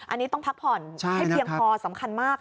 อันนี้ต้องพักผ่อนให้เพียงพอสำคัญมาก